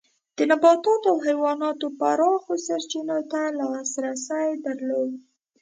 د نباتاتو او حیواناتو پراخو سرچینو ته لاسرسی درلود.